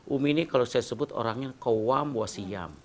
umi ini kalau saya sebut orangnya kawam wa siyam